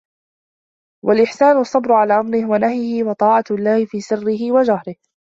وَالْإِحْسَانُ الصَّبْرُ عَلَى أَمْرِهِ وَنَهْيِهِ وَطَاعَةُ اللَّهِ فِي سِرِّهِ وَجَهْرِهِ